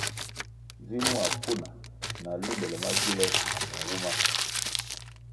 Vi mua pfuna na lundele magile na minwuma.